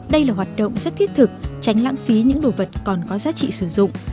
đây là hoạt động rất thiết thực tránh lãng phí những đồ vật còn có giá trị sử dụng